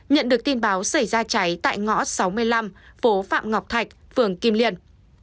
nhận được tin báo xảy ra cháy tại ngõ sáu mươi năm phố phạm ngọc thạch phường kim liên